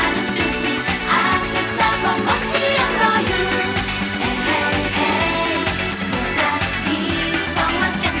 รักมีรักจะรับไม่รักก็ลองซึ่งดูอีกสักนิด